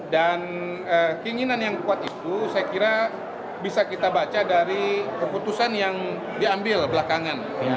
dan keinginan yang kuat itu saya kira bisa kita baca dari keputusan yang diambil belakangan